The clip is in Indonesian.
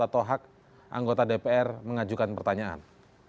atau hak anggota dpr mengajukan pertanyaan